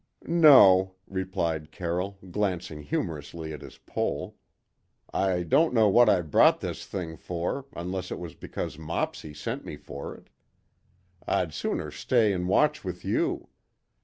"No," replied Carroll, glancing humorously at his pole. "I don't know what I brought this thing for, unless it was because Mopsy sent me for it. I'd sooner stay and watch with you.